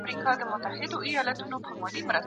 دا ارامي تل ثابته نه وي.